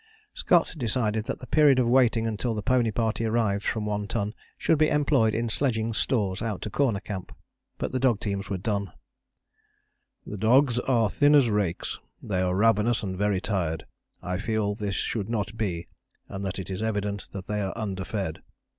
Scott decided that the period of waiting until the pony party arrived from One Ton should be employed in sledging stores out to Corner Camp. But the dog teams were done, "the dogs are thin as rakes; they are ravenous and very tired. I feel this should not be, and that it is evident that they are underfed.